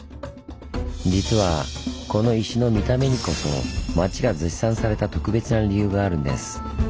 実はこの石の見た目にこそ町が絶賛された特別な理由があるんです。